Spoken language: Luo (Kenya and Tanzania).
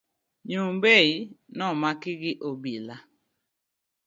Nyombei no maki gi obila.